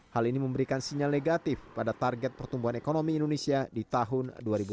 hal ini memberikan sinyal negatif pada target pertumbuhan ekonomi indonesia di tahun dua ribu tujuh belas